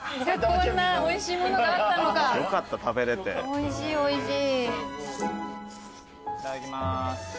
おいしいおいしい。